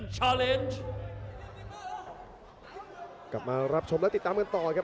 สักค่อยเดินเข้ามาหมดยกที่สองครับ